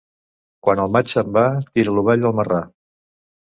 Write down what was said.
Quan el maig se'n va tira l'ovella al marrà.